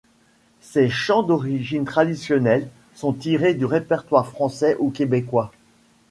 Ces chants d'origine traditionnelle sont tirés du répertoire français ou québécois.